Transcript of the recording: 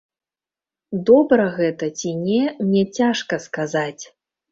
Добра гэта ці не, мне цяжка сказаць.